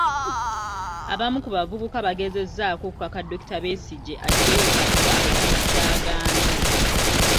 Abamu ku bavubuka bagezezzaako okukaka Dr. Besigye aggyeyo empapula, ekintu ky'agaanye.